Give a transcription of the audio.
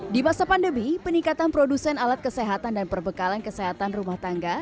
di masa pandemi peningkatan produsen alat kesehatan dan perbekalan kesehatan rumah tangga